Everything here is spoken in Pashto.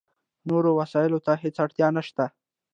نورو وسایلو ته هېڅ اړتیا نشته.